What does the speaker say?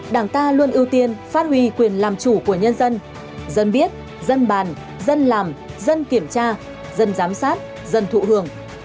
đảng ta luôn ưu tiên phát huy quyền làm chủ của nhân dân dân biết dân bàn dân làm dân kiểm tra dân giám sát dân thụ hưởng